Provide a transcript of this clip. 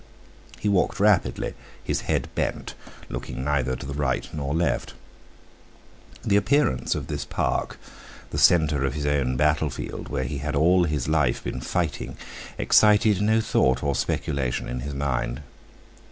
He walked rapidly, his head bent, looking neither to right nor left. The appearance of this park, the centre of his own battle field, where he had all his life been fighting, excited no thought or speculation in his mind.